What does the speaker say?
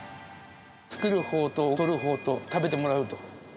作る方と取るほうと食べてもらうと。